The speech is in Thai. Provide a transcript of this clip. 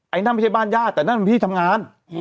ไอ้นั่นไม่ใช่บ้านญาติแต่นั่นพี่ทำงาน